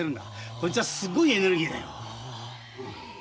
こいつはすごいエネルギーだよ。